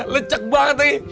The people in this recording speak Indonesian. lecek banget ini